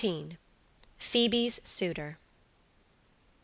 PHOEBE'S SUITOR.